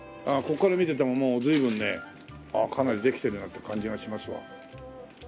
こっから見ててももう随分ねああかなりできてるなって感じがしますわ。